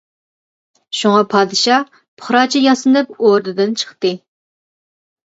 شۇڭا پادىشاھ پۇقراچە ياسىنىپ ئوردىدىن چىقتى.